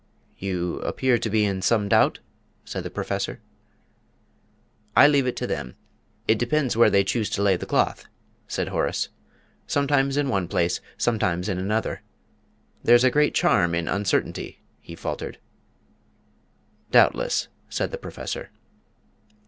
"You appear to be in some doubt?" said the Professor. "I leave it to them it depends where they choose to lay the cloth," said Horace. "Sometimes in one place; sometimes in another. There's a great charm in uncertainty," he faltered. "Doubtless," said the Professor.